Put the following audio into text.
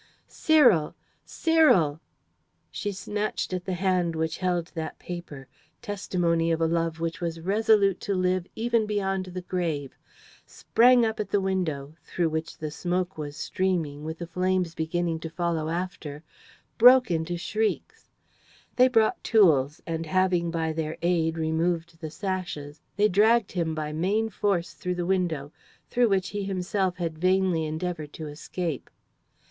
"Cyril, Cyril!" She snatched at the hand which had held that paper testimony of a love which was resolute to live even beyond the grave sprang up at the window, through which the smoke was streaming, with the flames beginning to follow after broke into shrieks. They brought tools, and having by their aid removed the sashes, they dragged him by main force through the window, through which he himself had vainly endeavoured to escape.